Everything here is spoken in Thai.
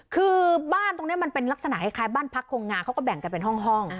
คือบ้านตรงนี้มันเป็นลักษณะคล้ายบ้านพักโครงงาเขาก็แบ่งกันเป็นห้อง